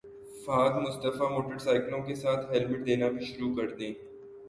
Fahad Mustafa motor سائیکلوں کے ساتھ ہیلمٹ دینا بھی شروع کردیں